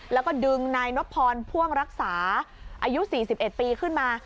แล้วก็ดึงนายนพรพ่วงรักษาอายุ๔๑ปีขึ้นมา